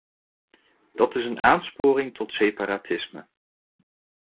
Dat is een aansporing tot separatisme.